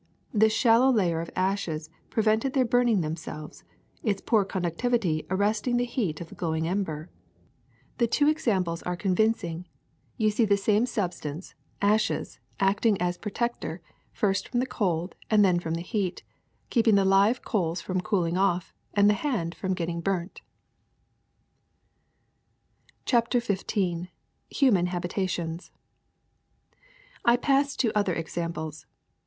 This shallow layer of ashes prevented their burning themselves, its poor conductivity arresting the heat of the glowing ember. HEAT CONDUCTION 81 '^The two examples are convincing: you see the same substance, ashes, acting as protector, first from the cold and then from the heat, keeping the live coals from cooling off and the hand from getting burnt/' CHAPTEE XV HUMAN HABITATIONS ^*"^ PASS to other examples.